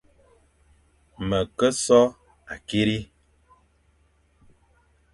Me ke so akiri,